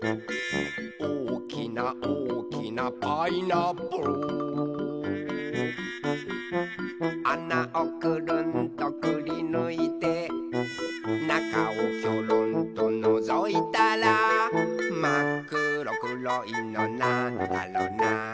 「おおきなおおきなパイナップル」「あなをくるんとくりぬいて」「なかをきょろんとのぞいたら」「まっくろくろいのなんだろな」